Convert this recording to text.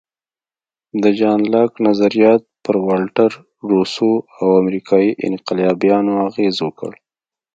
د جان لاک نظریات پر والټر، روسو او امریکایي انقلابیانو اغېز وکړ.